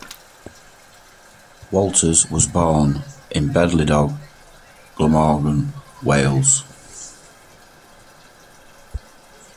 Walters was born Bedlinog, Glamorgan, Wales.